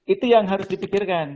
itu yang harus dipikirkan